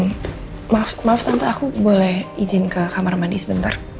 maaf maaf tante aku boleh izin ke kamar mandi sebentar